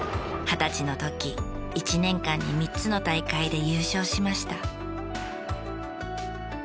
二十歳の時１年間に３つの大会で優勝しました。